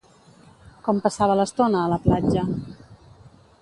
Com passava l'estona a la platja?